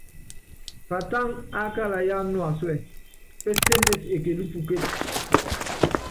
Patáŋa ákála yáá nuasúɛ, péséndesi ekelú pukécí.